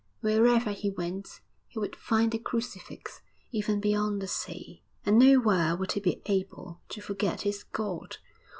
Wherever he went he would find the crucifix, even beyond the sea, and nowhere would he be able to forget his God.